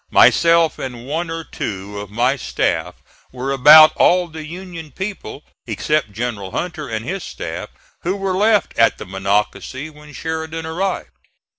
Myself and one or two of my staff were about all the Union people, except General Hunter and his staff, who were left at the Monocacy when Sheridan arrived.